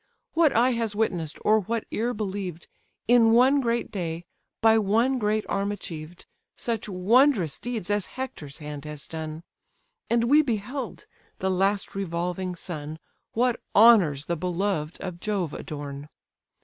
What eye has witness'd, or what ear believed, In one great day, by one great arm achieved, Such wondrous deeds as Hector's hand has done, And we beheld, the last revolving sun? What honours the beloved of Jove adorn!